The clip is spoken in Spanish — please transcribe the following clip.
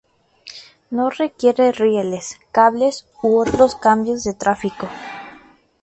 No requiere rieles, cables u otros cambios de tráfico.